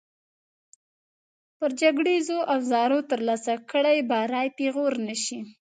پر جګړیزو اوزارو ترلاسه کړی بری پېغور نه شي.